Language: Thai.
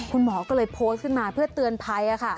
คุณหมอก็เลยโพสต์ขึ้นมาเพื่อเตือนภัย